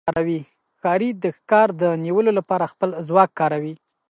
ښکاري د ښکار د نیولو لپاره خپل ځواک کاروي.